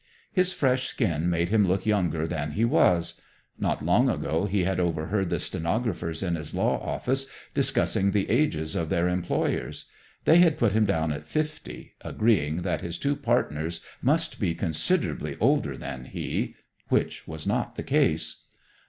His fresh skin made him look younger than he was. Not long ago he had overheard the stenographers in his law office discussing the ages of their employers. They had put him down at fifty, agreeing that his two partners must be considerably older than he which was not the case.